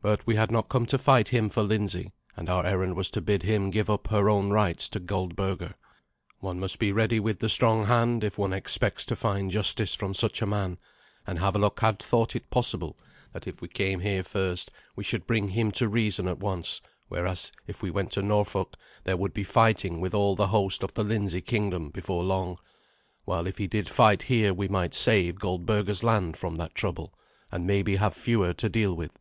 But we had not come to fight him for Lindsey, and our errand was to bid him give up her own rights to Goldberga. One must be ready with the strong hand if one expects to find justice from such a man; and Havelok had thought it possible that if we came here first we should bring him to reason at once, whereas if we went to Norfolk there would be fighting with all the host of the Lindsey kingdom before long; while if he did fight here we might save Goldberga's land from that trouble, and maybe have fewer to deal with.